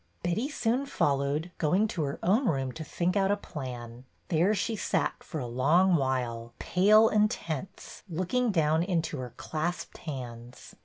Betty soon followed, going to her own room to think out a plan. There she sat for a long while, pale and tense, looking down into her clasped hands.